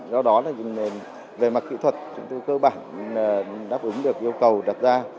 do đó là về mặt kỹ thuật chúng tôi cơ bản đáp ứng được yêu cầu đặt ra